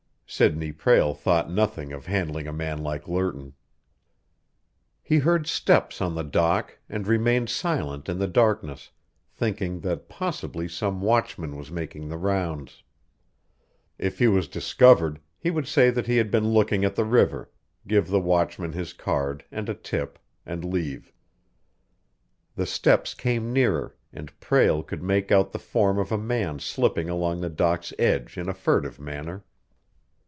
Sidney Prale thought nothing of handling a man like Lerton. He heard steps on the dock and remained silent in the darkness, thinking that possibly some watchman was making the rounds. If he was discovered, he would say that he had been looking at the river, give the watchman his card and a tip, and leave. The steps came nearer and Prale could make out the form of a man slipping along the dock's edge in a furtive manner.